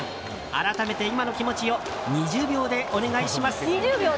改めて、今の気持ちを２０秒でお願いします！